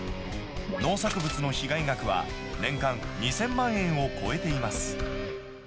農作物の被害額は、年間２０００万円を超えています。